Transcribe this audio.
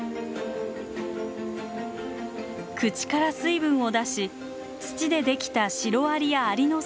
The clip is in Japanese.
口から水分を出し土でできたシロアリやアリの巣を崩しています。